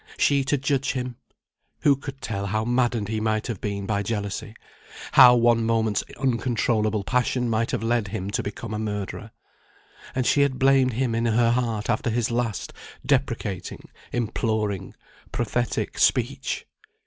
She to judge him? Who could tell how maddened he might have been by jealousy; how one moment's uncontrollable passion might have led him to become a murderer? And she had blamed him in her heart after his last deprecating, imploring, prophetic speech!